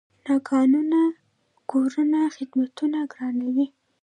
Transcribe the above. ناقانونه کورونه خدمتونه ګرانوي.